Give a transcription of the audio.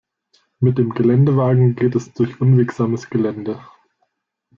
Mit dem Geländewagen geht es durch unwegsames Gelände.